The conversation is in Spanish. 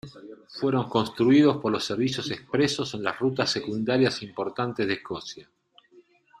Fueron construidos por los servicios expresos en las rutas secundarias importantes de Escocia.